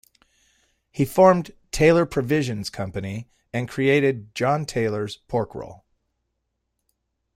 He formed Taylor Provisions Company and created John Taylor's Pork Roll.